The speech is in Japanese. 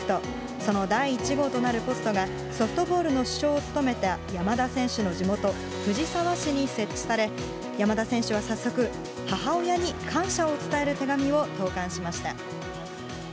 その第１号となるポストがソフトボールの主将を務めた山田選手の地元、藤沢市に設置され、山田選手は早速、母親に感謝を伝える手紙を投かんしました。